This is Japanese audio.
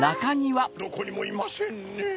どこにもいませんねぇ。